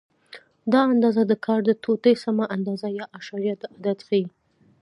دا اندازه د کار د ټوټې سمه اندازه یا اعشاریه عدد ښیي.